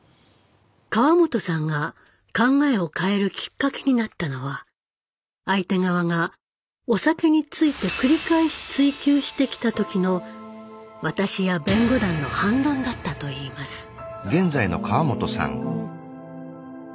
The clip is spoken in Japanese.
川本さんが考えを変えるきっかけになったのは相手側がお酒について繰り返し追及してきた時の私や弁護団の反論だったといいます。